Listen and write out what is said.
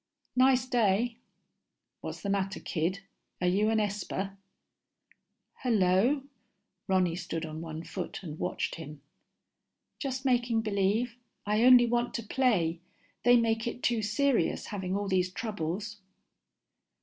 "Nice day." What's the matter, kid, are you an esper? "Hul lo." Ronny stood on one foot and watched him. _Just making believe. I only want to play. They make it too serious, having all these troubles.